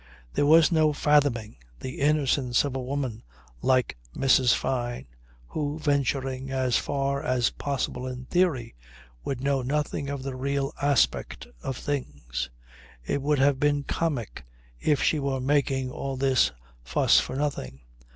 There was no fathoming the innocence of a woman like Mrs. Fyne who, venturing as far as possible in theory, would know nothing of the real aspect of things. It would have been comic if she were making all this fuss for nothing.